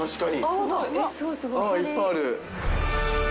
泡いっぱいある。